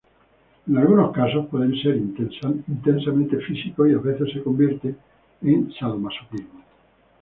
En algunos casos pueden ser intensamente físicos, y a veces se convierten en sadomasoquismo.